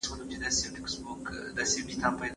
ولي مدام هڅاند د پوه سړي په پرتله هدف ترلاسه کوي؟